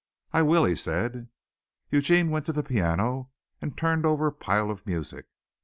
"I will," he said. Eugene went to the piano and turned over a pile of music.